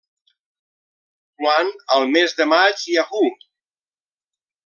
Quan, al mes de maig Yahoo!